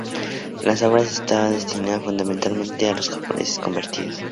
La obra estaba destinada fundamentalmente a los japoneses convertidos.